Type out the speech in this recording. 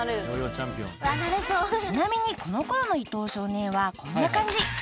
［ちなみにこのころの伊藤少年はこんな感じ］